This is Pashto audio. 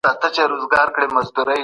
بله برخه ورته د نظري سياست نوم کاروي.